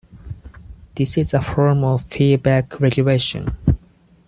This is a form of feedback regulation.